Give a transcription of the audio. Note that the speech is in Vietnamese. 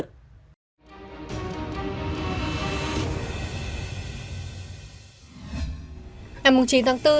tài chính của công ty faros trái pháp luật